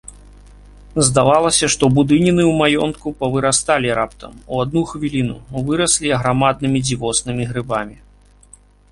Здавалася, што будыніны ў маёнтку павырасталі раптам, у адну хвіліну, выраслі аграмаднымі дзівоснымі грыбамі.